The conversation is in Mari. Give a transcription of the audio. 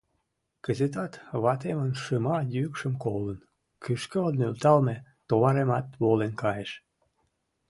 Кызытат ватемын шыма йӱкшым колын, кӱшкӧ нӧлталме товаремат волен кайыш.